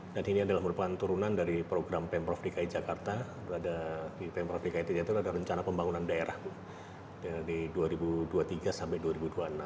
dan ini adalah merupakan turunan dari program pemprov dki jakarta di pemprov dki jakarta ada rencana pembangunan daerah dari dua ribu dua puluh tiga sampai dua ribu dua puluh enam